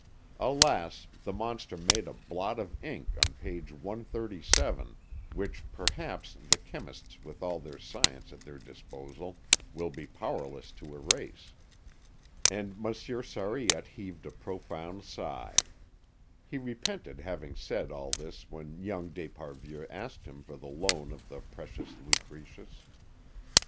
Alas! the monster made a blot of ink on page 137 which perhaps the chemists with all the science at their disposal will be powerless to erase." And Monsieur Sariette heaved a profound sigh. He repented having said all this when young d'Esparvieu asked him for the loan of the precious Lucretius.